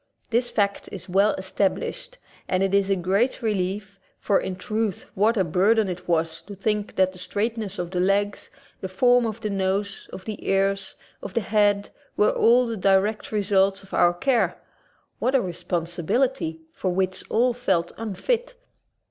This fact is well established, and it is a great relief, for in truth what a burden it was to think that the straightness of the legs, the form of the nose, of the ears, of the head, were all the direct results of our care! What a responsibility, for which all felt unfit!